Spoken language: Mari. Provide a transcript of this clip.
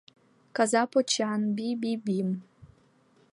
Каза почан, би-би-бим.